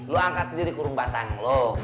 lu bakat sendiri kurung batang lu